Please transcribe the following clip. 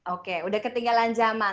oke udah ketinggalan zaman